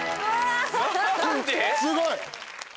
すごい。